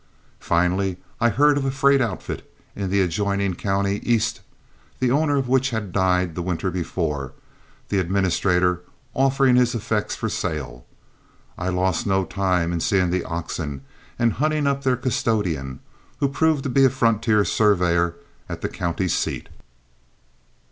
Finally I heard of a freight outfit in the adjoining county east, the owner of which had died the winter before, the administrator offering his effects for sale. I lost no time in seeing the oxen and hunting up their custodian, who proved to be a frontier surveyor at the county seat.